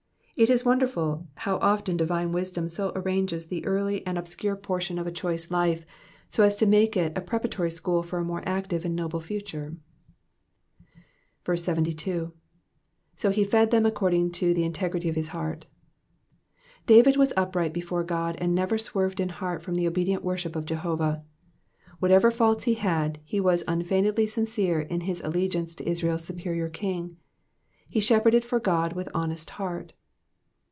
It is wonderful how often divine wisdom so arranges the early and obscure portion of a choice life, so as to make it a preparatory school for a more active and noble future. 72. '■''So he fed them according to the integrity of his heart,'*'* David was upright before God, and never swerved in heart from the obedient worship of Jehovah. Whatever faults he had, he was unfeignedly sincere in his allegiance to Israel's superior king ; he shepherded for God with honest heart.